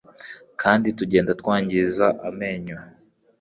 kandi tugenda twangiza amenyo